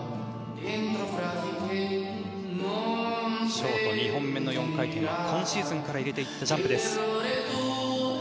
ショート２本目の４回転は今シーズンから入れてきたジャンプです。